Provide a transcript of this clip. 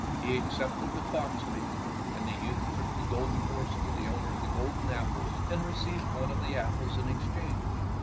He accepted the fox maiden, and the youth took the golden horse to the owner of the golden apples and received one of the apples in ex change.